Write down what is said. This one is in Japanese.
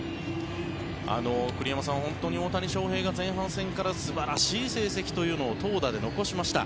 栗山さん、本当に大谷翔平が前半戦から素晴らしい成績というのを投打で残しました。